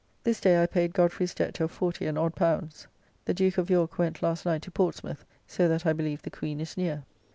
This day I paid Godfrey's debt of 40 and odd pounds. The Duke of York went last night to Portsmouth; so that I believe the Queen is near.